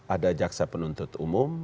ada jaksa penuntut umum